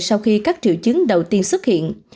sau khi các triệu chứng đầu tiên xuất hiện